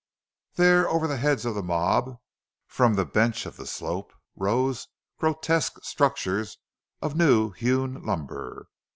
There over the heads of the mob from the bench of the slope rose grotesque structures of new hewn lumber.